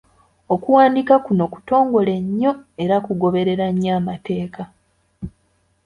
Okuwandiika kuno kutongole nnyo era kugoberera nnyo amateeka.